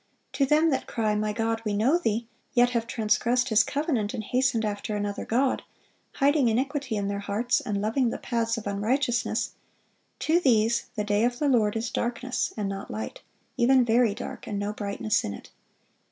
(494) To them that cry, "My God, we know Thee," yet have transgressed His covenant, and hastened after another god,(495) hiding iniquity in their hearts, and loving the paths of unrighteousness,—to these the day of the Lord is "darkness, and not light, even very dark, and no brightness in it."